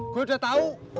gue udah tau